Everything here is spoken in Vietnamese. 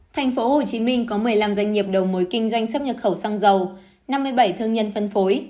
tp hcm có một mươi năm doanh nghiệp đầu mối kinh doanh sấp nhập khẩu xăng dầu năm mươi bảy thương nhân phân phối